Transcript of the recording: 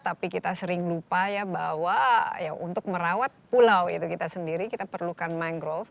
tapi kita sering lupa ya bahwa untuk merawat pulau itu kita sendiri kita perlukan mangrove